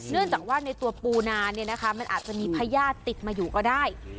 เนื่องจากว่าในตัวปูนาเนี่ยนะคะมันอาจจะมีพญาติติดมาอยู่ก็ได้